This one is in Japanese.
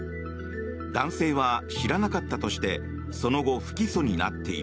男性は知らなかったとしてその後、不起訴になっている。